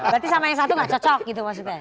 berarti sama yang satu nggak cocok gitu maksudnya